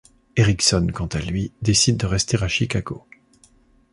Erickson quant à lui, décide de rester à Chicago.